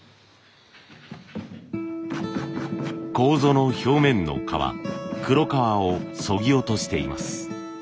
楮の表面の皮黒皮をそぎ落としています。